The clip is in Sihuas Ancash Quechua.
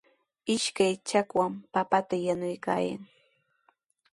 Ishkay chakwan papata yanuykaayan.